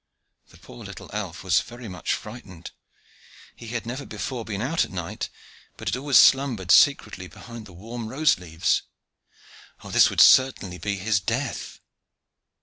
The poor little elf was very much frightened. He had never before been out at night, but had always slumbered secretly behind the warm rose leaves. Oh, this would certainly be his death.